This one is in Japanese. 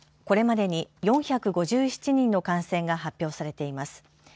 これまでに４５７人の感染が発表されています。